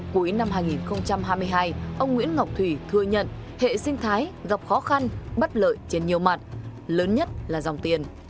cuối năm hai nghìn hai mươi hai ông nguyễn ngọc thủy thừa nhận hệ sinh thái gặp khó khăn bất lợi trên nhiều mặt lớn nhất là dòng tiền